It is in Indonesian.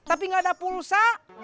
tapi gak ada pulsa